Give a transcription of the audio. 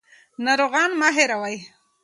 ناروغان مه هېروئ.